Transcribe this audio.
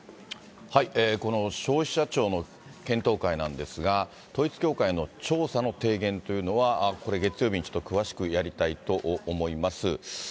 この消費者庁の検討会なんですが、統一教会の調査の提言というのは、これ、月曜日にちょっと詳しくやりたいと思います。